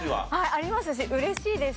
ありますし嬉しいです。